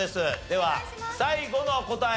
では最後の答え